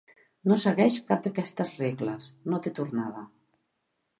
No segueix cap d'aquestes regles, no té tornada.